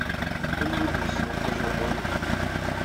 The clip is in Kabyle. Llan wid ay yessnen tajapunit?